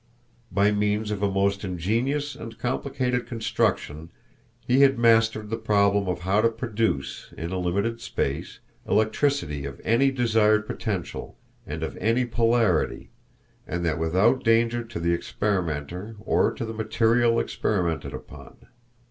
By means of a most ingenious and complicated construction he had mastered the problem of how to produce, in a limited space, electricity of any desired potential and of any polarity, and that without danger to the experimenter or to the material experimented upon.